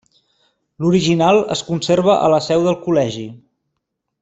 L'original es conserva a la seu del Col·legi.